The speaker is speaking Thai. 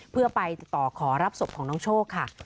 เพื่อไปติดต่อขอรับศพของน้องโชคค่ะ